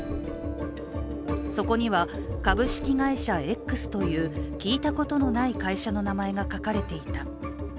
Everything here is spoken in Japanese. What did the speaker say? そこには、株式会社Ｘという聞いたことのない会社の名前が書かれていた。